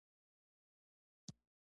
اول ډول خلک د نظریې ملاتړ دي.